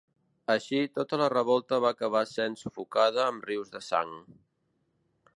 Així, tota la revolta va acabant sent sufocada amb rius de sang.